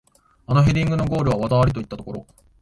あのヘディングのゴールは技ありといったところ